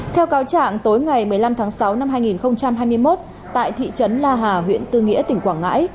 theo cáo trạng tối ngày một mươi năm tháng sáu năm hai nghìn hai mươi một tại thị trấn la hà huyện tư nghĩa tỉnh quảng ngãi